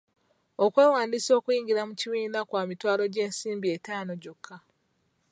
Okwewandiisa okuyingira mu kibiina kwa mitwalo gy'ensimbi etaano gyokka.